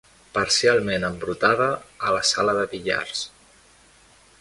Parcialment embrutada a la sala de billars.